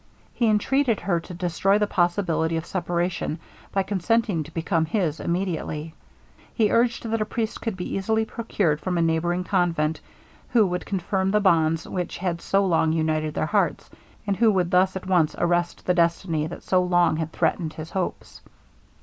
He entreated her to destroy the possibility of separation, by consenting to become his immediately. He urged that a priest could be easily procured from a neighboring convent, who would confirm the bonds which had so long united their hearts, and who would thus at once arrest the destiny that so long had threatened his hopes.